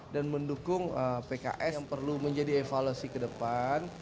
dan mendukung pks yang perlu menjadi evaluasi ke depan